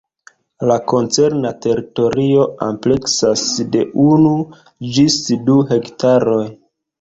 La koncerna teritorio ampleksas de unu ĝis du hektaroj.